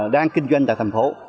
đang kinh doanh tại thành phố